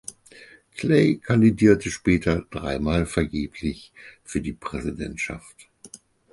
Clay kandidierte später dreimal vergeblich für die Präsidentschaft.